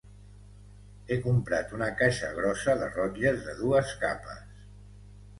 He comprat una caixa grossa de rotlles de dues capes.